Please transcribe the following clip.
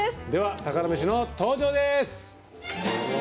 宝メシの登場です！